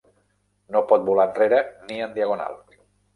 No pot volar enrere ni en diagonal.